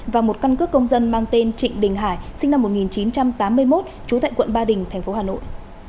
và một căn cước công dân mang tên trịnh đình hải sinh năm một nghìn chín trăm tám mươi một trú tại quận ba đình tp hà nội